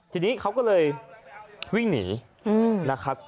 ทีนี้เขาก็เลยวิ่งหนีนะครับ